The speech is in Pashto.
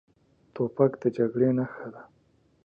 توپک د جګړې نښه ده.